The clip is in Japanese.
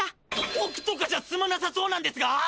億とかじゃ済まなさそうなんですが！？